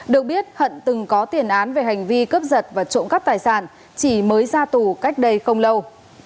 được biết hận từng có tiền án về hành vi cướp giật và trộm cắp tài sản chỉ mới ra tù cách đây không lâu